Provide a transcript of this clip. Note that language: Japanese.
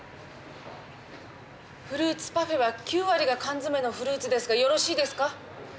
フルーツパフェは９割が缶詰のフルーツですがよろしいですか？